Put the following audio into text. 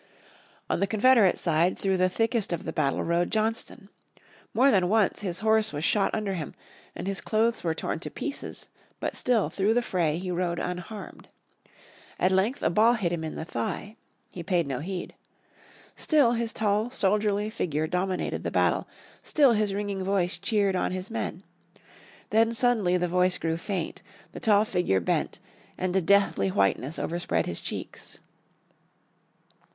On the Confederate side through the thickest of the battle rode Johnston. More than once his horse was shot under him, and his clothes were torn to pieces, but still through the fray he rode unharmed. At length a ball hit him in the thigh. He paid no heed. Still his tall soldierly figure dominated the battle, still his ringing voice cheered on his men. Then suddenly the voice grew faint, the tall figure bent, and a deathly whiteness overspread his cheeks.